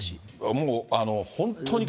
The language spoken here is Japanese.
もう、本当に。